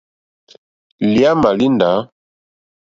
Lǐǃáámà líndǎ.